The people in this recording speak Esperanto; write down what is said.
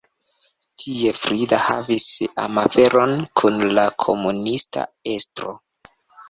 Tie Frida havis amaferon kun la komunista estro.